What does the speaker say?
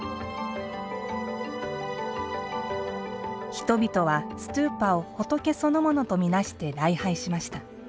人々はストゥーパを仏そのものと見なして礼拝しました。